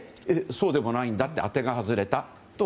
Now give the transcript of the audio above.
そうでもないんだと当てが外れたと。